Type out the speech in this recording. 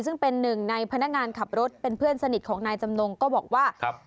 ซึ่งเป็นหนึ่งในพนักงานขับรถเป็นเพื่อนสนิทของนายจำนงก็บอกว่าครับ